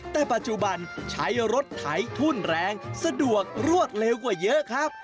แต่ปัจจุบันใช้รถไถทุ่นแรงสะดวกรวดเร็วกว่าเยอะครับ